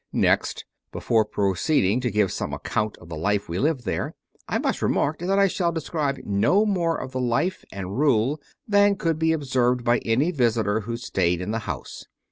Next, before proceeding to give some account of the life we lived there, I must remark that I shall describe no more of the Life and Rule than could be observed by any visitor who stayed in the house.